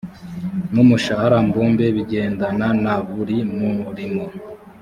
n umushahara mbumbe bigendana na buri murimo